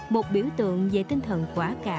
một biểu tượng về tinh thần quả cảm